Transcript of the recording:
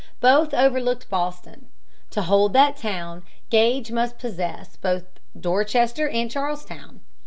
Both overlooked Boston. To hold that town, Gage must possess both Dorchester and Charlestown.